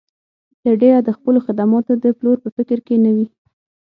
تر ډېره د خپلو خدماتو د پلور په فکر کې نه وي.